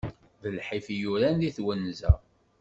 D lḥif i yuran di twenza.